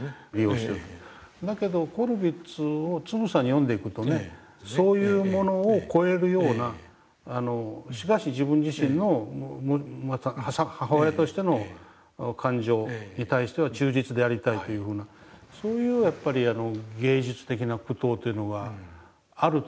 だけどコルヴィッツをつぶさに読んでいくとねそういうものを超えるようなしかし自分自身の母親としての感情に対しては忠実でありたいというふうなそういうやっぱり芸術的な苦闘というのがあると思うんです。